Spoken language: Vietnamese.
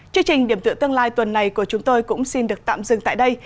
chương trình điểm tựa tương lai tuần này của chúng tôi cũng xin được tạm dừng tại đây